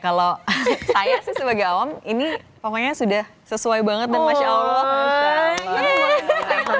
kalau saya sih sebagai awam ini pokoknya sudah sesuai banget dan masya allah